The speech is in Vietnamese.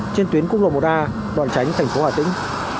trên tuyến quốc lộ một a đoạn tránh thành phố hà tĩnh